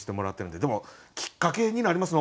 でもきっかけになりますね